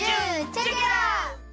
チェケラッ！